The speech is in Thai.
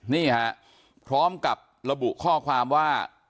นี่ฮะพร้อมกับระบุข้อความว่า